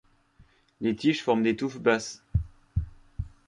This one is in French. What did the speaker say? Les tiges forment des touffes basses.